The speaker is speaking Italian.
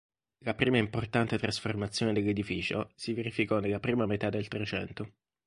La prima importante trasformazione dell'edificio si verificò nella prima metà del Trecento.